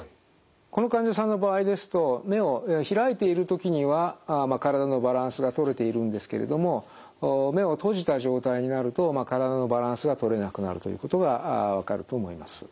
この患者さんの場合ですと目を開いている時には体のバランスがとれているんですけれども目を閉じた状態になると体のバランスがとれなくなるということが分かると思います。